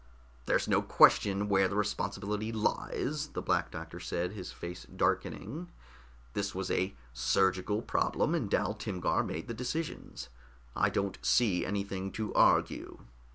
"There's no question where the responsibility lies," the Black Doctor said, his face darkening. "This was a surgical problem, and Dal Timgar made the decisions. I don't see anything to argue."